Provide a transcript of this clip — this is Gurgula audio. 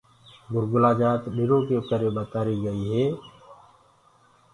گُرگلآ جآت ڏِرو ڪي ڪري ٻتآريٚ گئيٚ هي۔